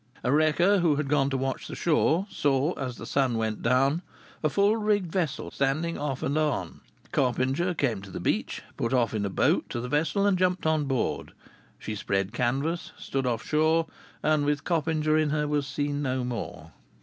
A wrecker who had gone to watch the shore, saw, as the sun went down, a full rigged vessel standing off and on. Coppinger came to the beach, put off in a boat to the vessel, and jumped on board. She spread canvas, stood off shore, and with Coppinger in her was seen no more.